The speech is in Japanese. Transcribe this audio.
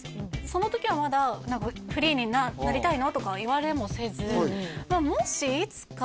その時はまだ「フリーになりたいの？」とかは言われもせず「もしいつか」